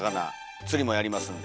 釣りもやりますんで。